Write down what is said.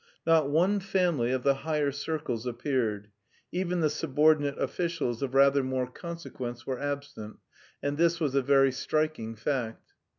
Not one family of the higher circles appeared; even the subordinate officials of rather more consequence were absent and this was a very striking fact.